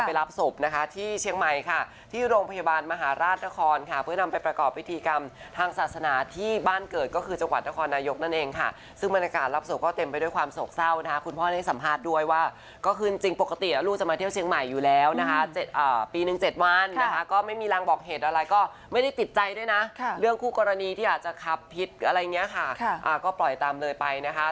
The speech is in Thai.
ไปรับศพนะคะที่เชียงใหม่ค่ะที่โรงพยาบาลมหาราชนครค่ะเพื่อนำไปประกอบวิธีกรรมทางศาสนาที่บ้านเกิดก็คือจังหวัดนครนายกนั่นเองค่ะซึ่งบรรยากาศรับศพก็เต็มไปด้วยความโศกเศร้านะคุณพ่อได้สัมภาษณ์ด้วยว่าก็คือจริงปกติลูกจะมาเที่ยวเชียงใหม่อยู่แล้วนะคะ๗ปีนึง๗วันนะคะก็ไม่มี